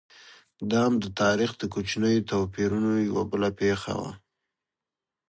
دا هم د تاریخ د کوچنیو توپیرونو یوه بله پېښه وه.